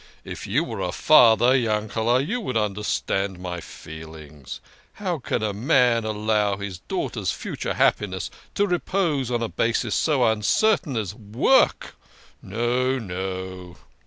If you were a father, Yankele", you would understand my feelings. How can a man allow his daughter's future happiness to repose on a basis so uncertain as work? No, no.